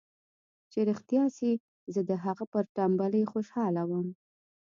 چې رښتيا سي زه د هغه پر ټمبلۍ خوشاله وم.